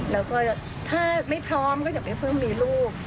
แล้วก็ถ้าไม่พร้อมก็อย่าไปเพิ่งมีลูก